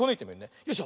よいしょ。